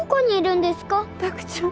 卓ちゃん。